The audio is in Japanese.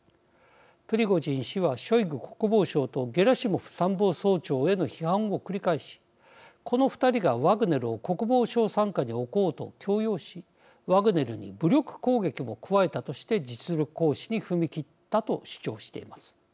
プリゴジン氏はショイグ国防相とゲラシモフ参謀総長への批判を繰り返しこの２人がワグネルを国防省傘下に置こうと強要しワグネルに武力攻撃も加えたとして実力行使に踏み切ったと主張しています。